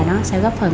nó sẽ góp phần